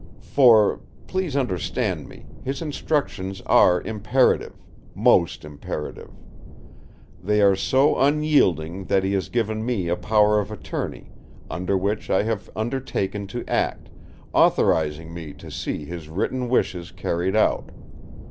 For, please understand me, his instructions are imperative—most imperative. They are so unyielding that he has given me a Power of Attorney, under which I have undertaken to act, authorising me to see his written wishes carried out.